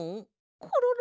コロロ！